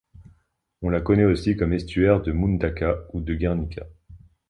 On la connaît aussi comme estuaire de Mundaka ou de Guernica.